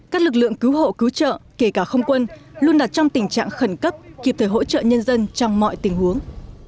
các lực lượng cứu hộ cứu trợ kể cả không quân luôn đặt trong tình trạng khẩn cấp kịp thời hỗ trợ nhân dân trong mọi tình huống